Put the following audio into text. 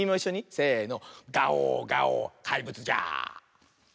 せの。